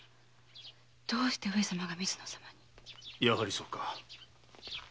やはりそうか。